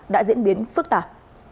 đã diễn biến phức tạp